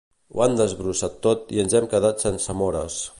Ho han desbrossat tot i ens hem quedat sense mores